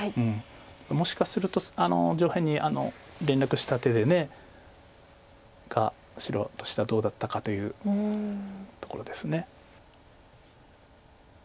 もしかすると上辺に連絡した手が白としてはどうだったかというところです。